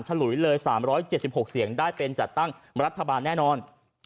ฉลุยเลย๓๗๖เสียงได้เป็นจัดตั้งรัฐบาลแน่นอน